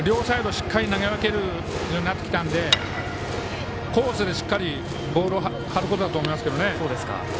しっかり投げ分けるようになってきたのでコースでしっかりボールを張ることだと思います。